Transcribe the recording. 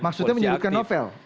maksudnya menyudutkan novel